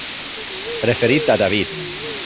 Referit a David.